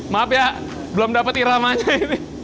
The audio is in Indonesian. maaf ya belum dapat iramanya ini